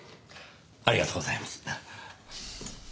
ありがとうございます。